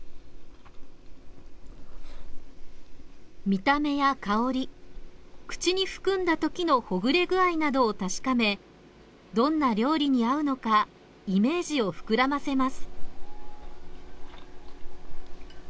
見た目や香り口に含んだときのほぐれ具合などを確かめどんな料理に合うのかイメージを膨らませます。